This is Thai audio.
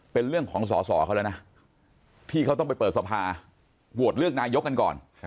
เป็นเรื่องของสอสอเขาแล้วนะที่เขาต้องไปเปิดสภาโหวตเลือกนายกกันก่อน